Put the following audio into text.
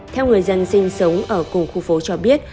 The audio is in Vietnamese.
theo người dân sinh sống ở cùng khu phố cho biết